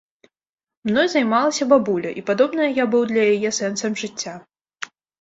Мной займалася бабуля, і, падобна, я быў для яе сэнсам жыцця.